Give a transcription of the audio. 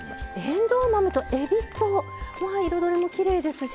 えんどう豆とえびと彩りもきれいですし。